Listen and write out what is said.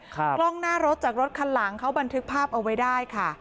กล้องหน้ารถจากรถคันหลังเขาบันทึกภาพเอาไว้ได้ค่ะ